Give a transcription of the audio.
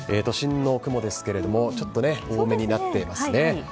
都心の雲ですけれども、ちょっとね、多めになってますね。